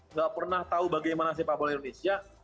nggak pernah tahu bagaimana sepak bola indonesia